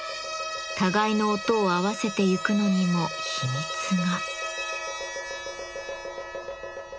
互いの音を合わせてゆくのにも秘密が。